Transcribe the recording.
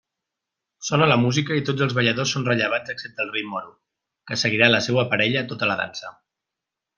Sona la música i tots els balladors són rellevats excepte el Rei Moro, que seguirà la seua parella tota la dansa.